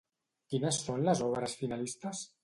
Quines són les obres finalistes?